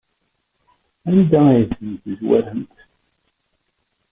Anda ay tent-tezwaremt?